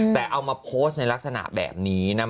แต่เอามาโพสต์ในลักษณะแบบนี้นะ